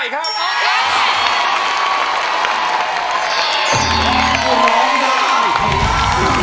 แล้วหวังนะ